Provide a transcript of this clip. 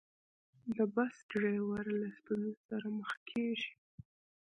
د بس ډریور له ستونزې سره مخ کېږي.